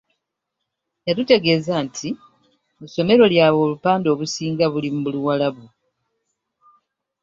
Yatutegeeza nti mu ssomero lyabwe obupande obusinga buli mu Luwarabu.